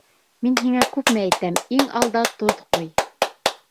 Мин һиңә күпме әйтәм, иң алда тоҙ ҡуй!